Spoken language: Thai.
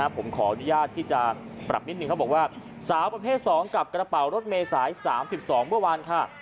ผมขออนุญาตที่จะปรับนิดนึงเขาบอกว่าสาวประเภท๒กับกระเป๋ารถเมษาย๓๒เมื่อวานค่ะ